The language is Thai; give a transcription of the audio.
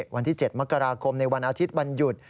วันที่๗มกราคมในวันอาทิตย์วันหยุด